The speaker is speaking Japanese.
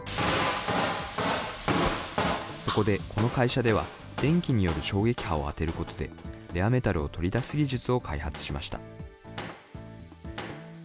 そこでこの会社では、電気による衝撃波を当てることで、レアメタルを取り出す技術を開発しました。